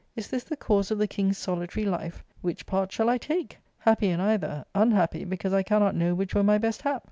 Is this the cause of the king's solitary life ? Which part shall I take ? Happy in either, unhappy because I cannot know which were my best hap."